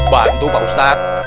bantu pak ustaz